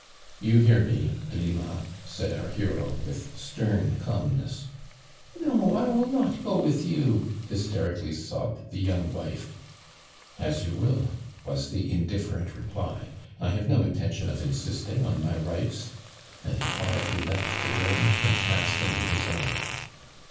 "You hoar me, Delima," said our hero, with stern calmness. "No, I will not go with you," hysterical ly sobbed the young wife. " As you will," was the indifferent rej^ly. " I have no intention of insisting on my rights," and he quietly left the room and passed into his own.